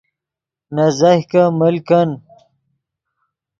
نے زیہکے مل کن